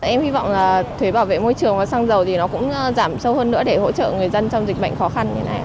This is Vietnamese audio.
em hy vọng là thuế bảo vệ môi trường và xăng dầu thì nó cũng giảm sâu hơn nữa để hỗ trợ người dân trong dịch bệnh khó khăn như thế này